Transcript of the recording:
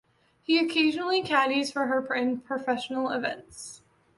He occasionally caddies for her in professional events.